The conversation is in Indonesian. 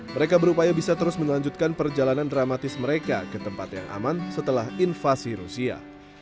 mereka berupaya bisa terus melanjutkan perjalanan dramatis mereka ke tempat yang aman setelah invasi rusia